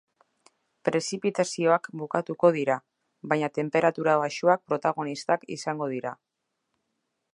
Prezipitazioak bukatuko dira, baina tenperatura baxuak protagonistak izango dira.